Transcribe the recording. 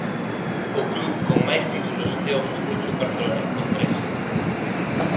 O club con máis títulos é o Fútbol Club Barcelona con tres.